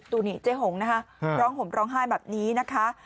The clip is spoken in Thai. ดูนี่เจ๊หงนะคะร้องห่มร้องไห้แบบนี้นะคะ